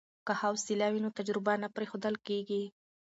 که حوصله وي نو تجربه نه پریښودل کیږي.